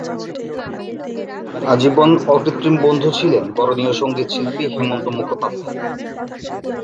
আজীবন অকৃত্রিম বন্ধু ছিলেন বরণীয় সঙ্গীতশিল্পী হেমন্ত মুখোপাধ্যায়ের।